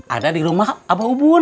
ada di rumah abah ubun